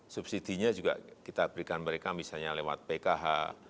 subsidi nya juga kita berikan mereka misalnya lewat pkh